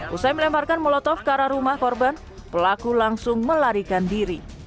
usai melemparkan molotov ke arah rumah korban pelaku langsung melarikan diri